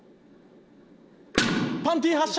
パンティ発射！